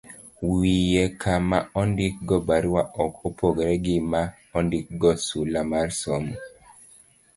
Wiye kama ondikgo barua ok opogore gi ma ondikgo sula mar somo.